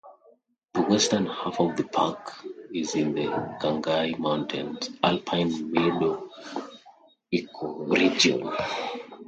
The western half of the park is in the Khangai Mountains alpine meadow ecoregion.